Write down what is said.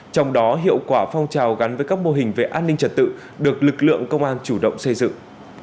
trong đó hiệu quả phong trào gắn với các mô hình về an ninh trật tự được lực lượng công an chủ động xây dựng